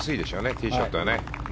ティーショットは。